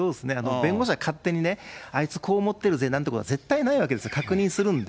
弁護士が勝手にね、あいつこう思ってるぜなんてことは絶対ないわけです、確認するんで。